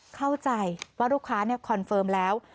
เข้าใจว่าลูกค้าคอนเฟิร์มแล้ว